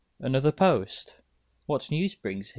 _ Another post! what news brings he?